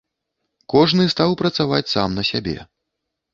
Кожны стаў працаваць сам на сябе.